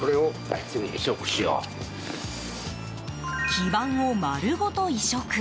基板を丸ごと移植。